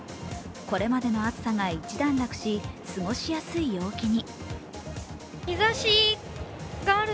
これまでの暑さが一段落し、過ごしやすい陽気に。